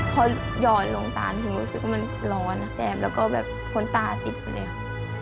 พอยอดลงตาหนูรู้สึกว่ามันร้อนแซมแล้วก็แบบขนตาติดเลย